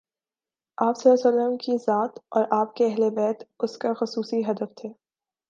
آپﷺ کی ذات اور آپ کے اہل بیت اس کاخصوصی ہدف تھے۔